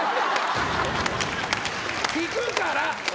弾くから！